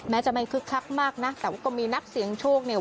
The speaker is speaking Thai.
จะไม่คึกคักมากนะแต่ว่าก็มีนักเสียงโชคเนี่ย